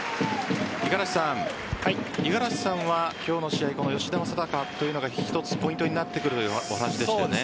五十嵐さん、五十嵐さんは今日の試合吉田正尚というのが一つポイントになってくるというお話でしたよね。